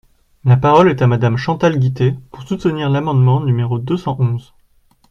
La parole est à Madame Chantal Guittet, pour soutenir l’amendement numéro deux cent onze.